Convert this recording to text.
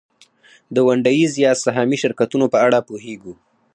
د ونډه ایز یا سهامي شرکتونو په اړه پوهېږو